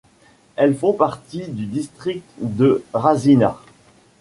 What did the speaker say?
Elles font partie du district de Rasina.